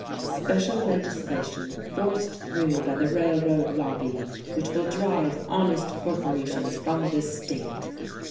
"Special legislation, forced through by the Railroad Lobby, which will drive honest corporations from this state."